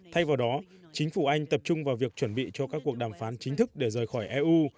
thay vào đó chính phủ anh tập trung vào việc chuẩn bị cho các cuộc đàm phán chính thức để rời khỏi eu